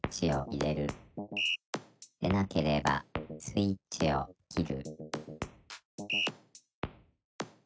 「でなければスイッチを切る」